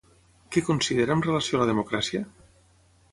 Què considera amb relació a la democràcia?